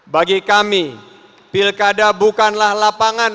bagi kami pilkada bukanlah lapangan